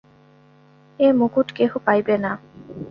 এ মুকুট কেহ পাইবে না।